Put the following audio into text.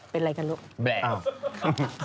เป็นไรกันหรอลูก